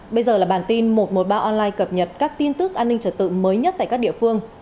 bây giờ là bản tin một trăm một mươi ba online cập nhật các tin tức an ninh trật tự mới nhất tại các địa phương